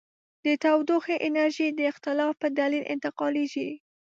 د تودوخې انرژي د اختلاف په دلیل انتقالیږي.